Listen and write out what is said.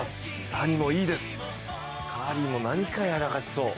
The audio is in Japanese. サニもいいです、カーリーも何かやらかしそう。